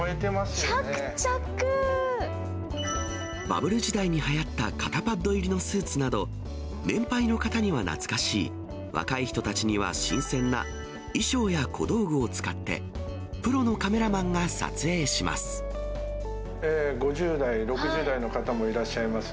バブル時代にはやった肩パッド入りのスーツなど、年配の方には懐かしい、若い人たちには新鮮な衣装や小道具を使って、プロのカメラマンが撮影します。